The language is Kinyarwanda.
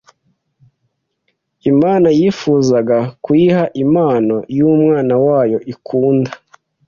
Imana yifuzaga kuyiha impano y'Umwana wayo ikunda.